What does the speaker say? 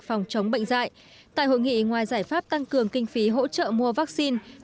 phòng chống bệnh dạy tại hội nghị ngoài giải pháp tăng cường kinh phí hỗ trợ mua vaccine